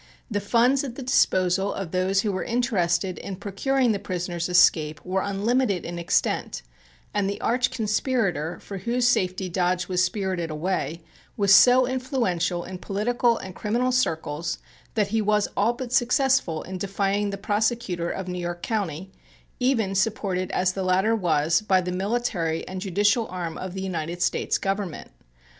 The funds at the disposal of those who were interested in procuring the prisoner's escape were unlimited in extent and the arch conspirator for whose safety Dodge was spirited away was so influential in political and criminal circles that he was all but successful in defying the prosecutor of New York County, even supported as the latter was by the military and judicial arm of the United States Government.